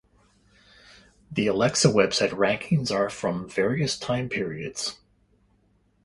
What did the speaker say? The Alexa website rankings are from various time periods.